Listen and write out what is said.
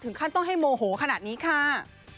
ขั้นต้องให้โมโหขนาดนี้ค่ะ